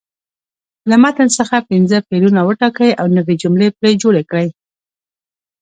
له متن څخه پنځه فعلونه وټاکئ او نوې جملې پرې جوړې کړئ.